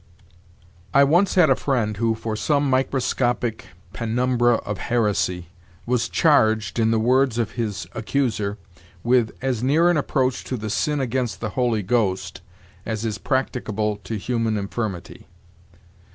"I once had a friend who, for some microscopic penumbra of heresy, was charged, in the words of his accuser, with 'as near an approach to the sin against the Holy Ghost as is practicable to human infirmity.'